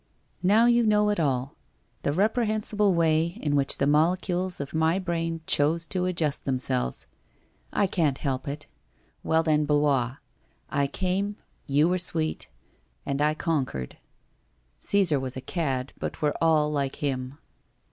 Now you know it all — the reprehensible way in which the molecules of my brain chose to adjust themselves. I can't help it. Well, then, Blois ! I came — you were sweet — and I conquered. Caesar was a cad, but we're all like him.